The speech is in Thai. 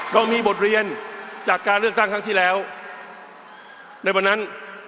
เรามีบทเรียนจากการเลือกตั้งครั้งที่แล้วในวันนั้น